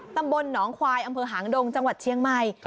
ตำบลหนองควายอำเภอหางดงจังหวัดเชียงใหม่